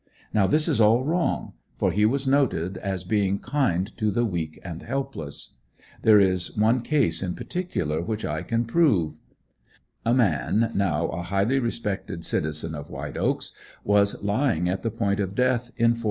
Now this is all wrong, for he was noted as being kind to the weak and helpless; there is one case in particular which I can prove: A man, now a highly respected citizen of White Oaks, was lying at the point of death in Ft.